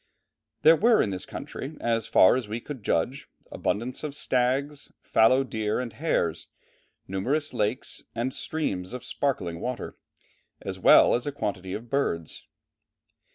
There were in this country, as far as we could judge, abundance of stags, fallow deer and hares, numerous lakes, and streams of sparkling water, as well as a quantity of birds.